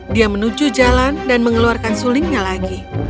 dia menuju jalan dan mengeluarkan sulingnya lagi